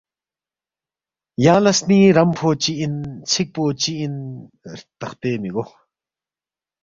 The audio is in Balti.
یانگ لا سنینگ رمفو چی اِن، ژھیکپو چی اِن ہرتخپے مِگو